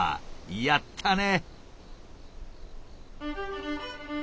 やったね！